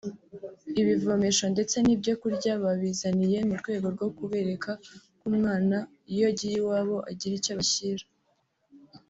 ibivomesho ndetse n’ibyo kurya babazaniye murwego rwo kubereka ko umwana iyo agiye iwabo agira icyo abashyira